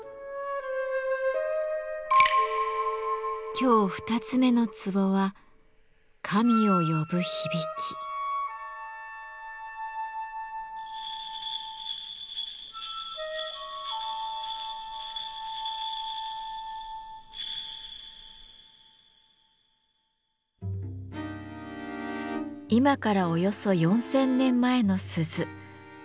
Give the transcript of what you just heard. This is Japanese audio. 今日２つ目の壺は今からおよそ４，０００年前の鈴縄文土鈴です。